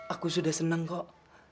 aku sudah seneng kok